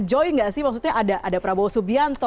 joy gak sih maksudnya ada prabowo subianto